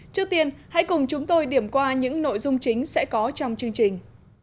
trước tiên hãy cùng chúng tôi điểm qua những nội dung chính sẽ có trong chương trình